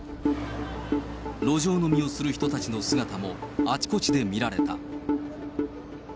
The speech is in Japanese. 路上飲みをする人たちの姿もあちこちで見られた。